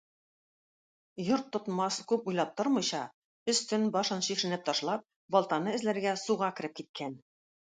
Йорт тотмас күп уйлап тормыйча, өстен-башын чишенеп ташлап, балтаны эзләргә суга кереп киткән.